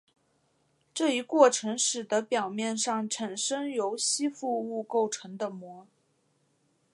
这一过程使得表面上产生由吸附物构成的膜。